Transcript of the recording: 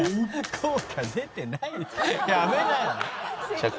「効果出てないって。